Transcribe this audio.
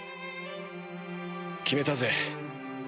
決めたぜ。